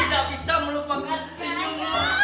aku tidak bisa melupakan senyummu